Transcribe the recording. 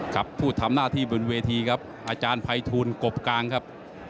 ผู้ทำหน้าที่บนเวทีครับอาจารย์ภัยทูลกบกลางครับ